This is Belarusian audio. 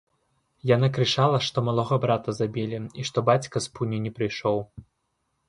Яна крычала, што малога брата забілі і што бацька з пуні не прыйшоў.